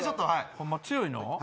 ホンマ強いの？